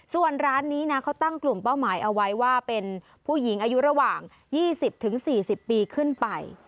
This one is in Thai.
ส่วนร้านนี้นะเขาตั้งกลุ่มเป้าหมายเอาไว้ว่าเป็นผู้หญิงอายุระหว่าง๒๐๔๐ปีขึ้นไป